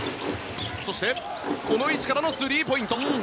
そして、この位置からのスリーポイント。